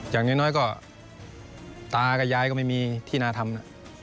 อย่างน้อยก็ตากับยายก็ไม่มีที่น่าทำ